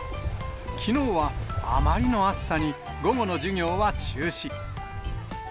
きのうはあまりの暑さに、午後の授業は中止。